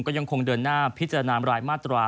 ก็ยังคงเดินหน้าพิจารณารายมาตรา